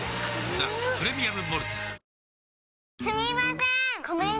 「ザ・プレミアム・モルツ」